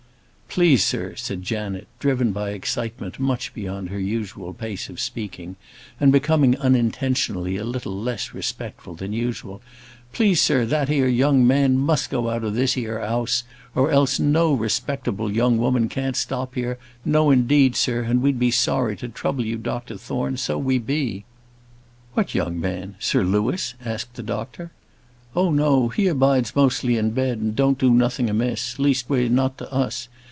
"Please, sir," said Janet, driven by excitement much beyond her usual pace of speaking, and becoming unintentionally a little less respectful than usual, "please sir, that 'ere young man must go out of this here house; or else no respectable young 'ooman can't stop here; no, indeed, sir; and we be sorry to trouble you, Dr Thorne; so we be." "What young man? Sir Louis?" asked the doctor. "Oh, no! he abides mostly in bed, and don't do nothing amiss; least way not to us.